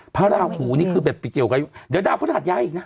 พระราหูนี่คือแบบไปเกี่ยวกับเดี๋ยวดาวพฤหัสย้ายอีกนะ